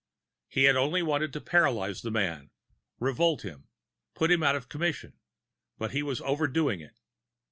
He had only wanted to paralyze the man, revolt him, put him out of commission, but he was overdoing it.